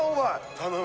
頼む！